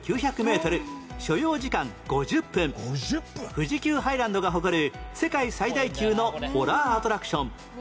富士急ハイランドが誇る世界最大級のホラーアトラクション